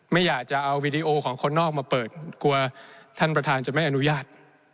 ไม่อยากจะเอาวีดีโอของคนนอกมาเปิดกลัวท่านประธานจะไม่อนุญาต